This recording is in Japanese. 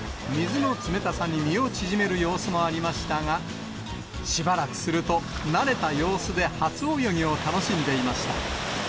最初は水の冷たさに身を縮める様子もありましたが、しばらくすると、慣れた様子で初泳ぎを楽しんでいました。